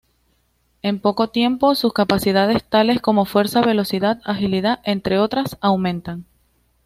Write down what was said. En poco tiempo sus capacidades tales como fuerza, velocidad, agilidad, entre otras, aumentan.